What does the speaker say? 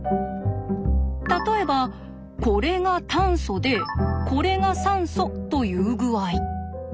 例えばこれが炭素でこれが酸素という具合。